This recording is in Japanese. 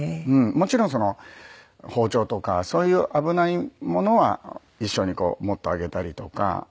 もちろん包丁とかそういう危ないものは一緒にこう持ってあげたりとか。